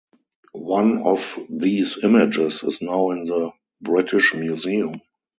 One of these images is now in the British Museum.